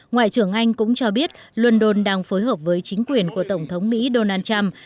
ngoại trưởng anh cũng cho biết london đang phối hợp với chính quyền của tổng thống mỹ donald trump